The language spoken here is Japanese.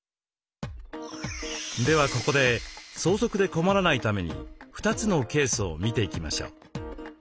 ではここで相続で困らないために２つのケースを見ていきましょう。